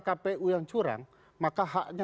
kpu yang curang maka haknya